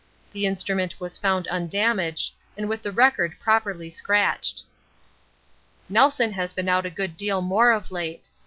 The instrument was found undamaged and with the record properly scratched. Nelson has been out a good deal more of late.